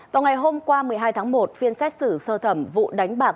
vào ngày hôm qua một mươi hai tháng một phiên xét xử sơ thẩm vụ đánh bạc và đánh bạc